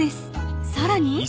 ［さらに］